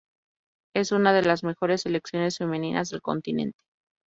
Es una de las mejores selecciones femeninas del continente.